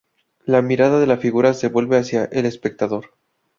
La mirada de la figura se vuelve hacia el espectador.